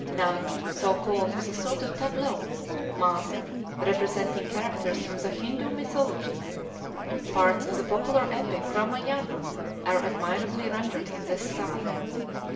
"Nang," so called, is a sort of tableau, masked, representing characters from the Hindoo mythology. Parts of the popular epic, Ramayana, are admirably rendered in this style.